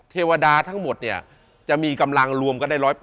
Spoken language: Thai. เทวดานทั้งหมดจะมีกำลังรวม๑๐๘